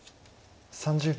３０秒。